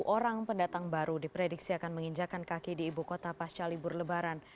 sepuluh orang pendatang baru diprediksi akan menginjakan kaki di ibu kota pasca libur lebaran